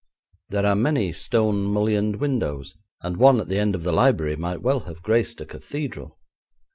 There are many stone mullioned windows, and one at the end of the library might well have graced a cathedral.